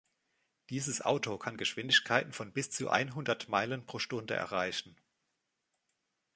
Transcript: Dieses Auto kann Geschwindigkeiten von bis zu einhundert Meilen pro Stunde erreichen.